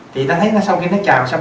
thì ta thấy nó sau khi nó chào xong